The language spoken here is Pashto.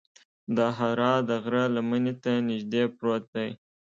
د حرا د غره لمنې ته نږدې پروت دی.